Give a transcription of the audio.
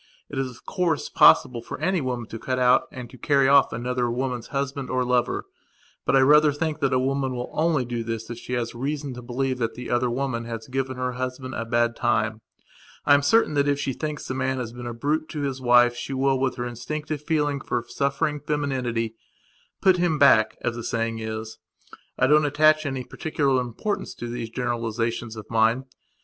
It is, of course, possible for any woman to cut out and to carry off any other woman's husband or lover. But I rather think that a woman will only do this if she has reason to believe that the other woman has given her husband a bad time. I am certain that if she thinks the man has been a brute to his wife she will, with her instinctive feeling for suffering femininity, "put him back", as the saying is. I don't attach any particular importance to these generalizations of mine.